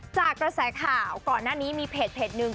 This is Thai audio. จากกระแสข่าวก่อนหน้านี้มีเพจหนึ่ง